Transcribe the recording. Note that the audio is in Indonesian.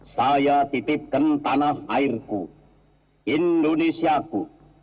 saya titipkan tanah airku indonesiaku